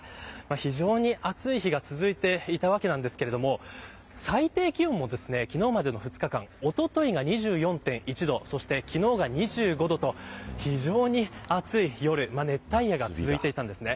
非常に暑い日が続いていたわけなんですが最低気温も昨日までの２日間おとといが２４．１度昨日が２５度と非常に暑い熱帯夜が続いていたんです。